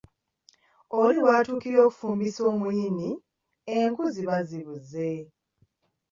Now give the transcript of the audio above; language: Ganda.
Oli w’atuukira okufumbisa omuyini enku ziba zibuze.